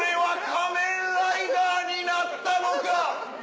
仮面ライダーになった！